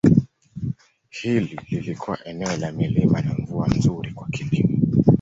Hili lilikuwa eneo la milima na mvua nzuri kwa kilimo.